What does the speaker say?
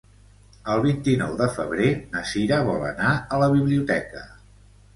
El vint-i-nou de febrer na Cira vol anar a la biblioteca.